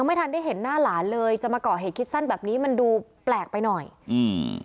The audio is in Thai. ไม่ทันได้เห็นหน้าหลานเลยจะมาก่อเหตุคิดสั้นแบบนี้มันดูแปลกไปหน่อยอืม